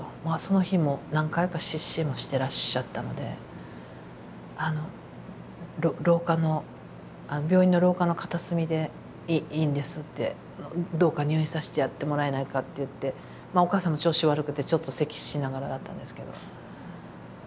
まあその日も何回か失神もしてらっしゃったので「病院の廊下の片隅でいいんです」って「どうか入院させてやってもらえないか」って言ってお母さんも調子悪くてちょっとせきしながらだったんですけど。